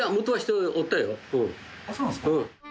あっそうなんですか？